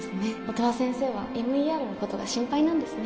音羽先生は ＭＥＲ のことが心配なんですね